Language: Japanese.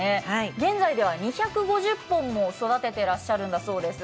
現在では２５０本も育てていらっしゃるんだそうです。